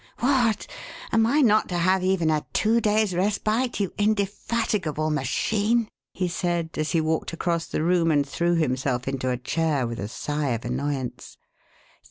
"What! am I not to have even a two days' respite, you indefatigable machine?" he said, as he walked across the room and threw himself into a chair with a sigh of annoyance.